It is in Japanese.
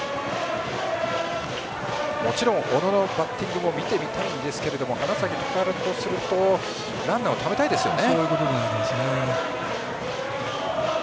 もちろん、小野のバッティングも見てみたいんですが花咲徳栄とするとランナーをためたいですよね。